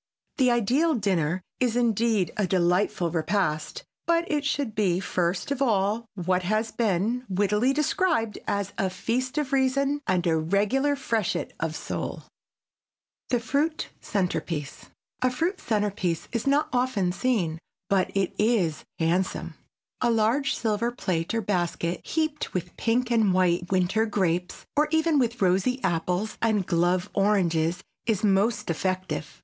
The ideal dinner is, indeed, a delightful repast, but it should be first of all what has been wittily described as "a feast of reason and a regular freshet of soul." [Sidenote: THE FRUIT CENTERPIECE] A fruit centerpiece is not often seen but it is handsome. A large silver plate or basket heaped with pink and white winter grapes or even with rosy apples and "glove" oranges is most effective.